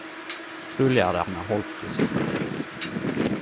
Truleg er det Anne Holt ho siktar til.